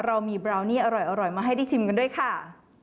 เรามีบราวนี่อร่อยมาให้ได้ชิมกันด้วยค่ะ